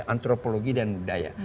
antropologi dan budaya